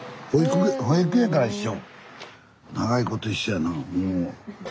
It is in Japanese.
保育園から一緒？